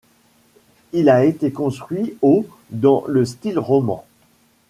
Il a été construit au dans le style roman.